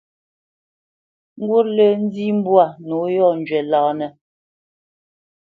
Ngut lǝ̂ nzǐ mbwǎ nǝ yɔ́njwǐ lǎnǝ.